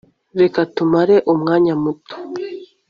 reka tumare umwanya muto